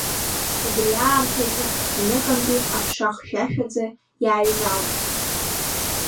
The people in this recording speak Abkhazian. Убри аамҭазы адәныҟантәи аԥша хьшәашәаӡа иааҩналт.